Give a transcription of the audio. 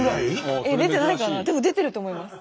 でも出てると思います。